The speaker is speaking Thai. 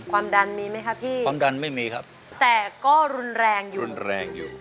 ความดันมีไหมคะพี่ความดันไม่มีครับแต่ก็รุนแรงอยู่รุนแรงอยู่